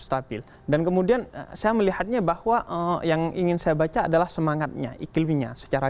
stabil dan kemudian saya melihatnya bahwa yang ingin saya baca adalah semangatnya iklimnya secara